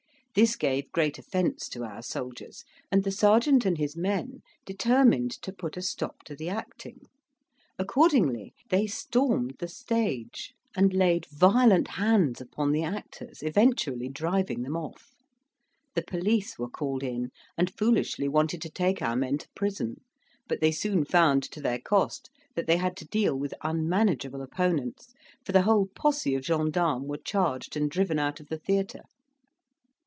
This gave great offence to our soldiers, and the sergeant and his men determined to put a stop to the acting; accordingly they stormed the stage, and laid violent hands upon the actors, eventually driving them off. The police were called in, and foolishly wanted to take our men to prison; but they soon found to their cost that they had to deal with unmanageable opponents, for the whole posse of gendarmes were charged and driven out of the theatre.